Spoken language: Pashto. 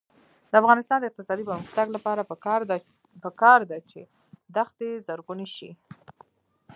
د افغانستان د اقتصادي پرمختګ لپاره پکار ده چې دښتي زرغونې شي.